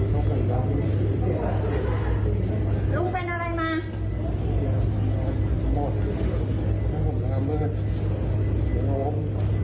โรคประจำตัวเป็นอะไรบ้าง